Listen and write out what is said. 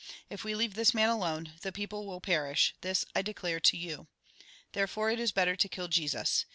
If we leave this man alone, the people will perish ; this I declare to you. There fore it is better to kill Jesus.